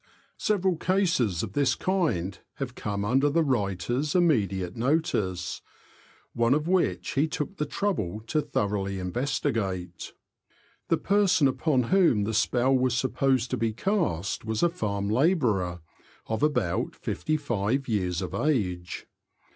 Several cases of this kind have come under the writer's immediate notice, one of which he took the trouble to thoroughly investigate. The person upon whom the spell was supposed to be cast was a farm labourer, of about fifty five years of age.